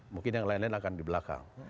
mungkin yang lain lain akan di belakang